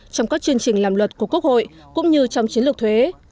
trong các chương trình làm luật của quốc hội cũng như trong chiến lược thuế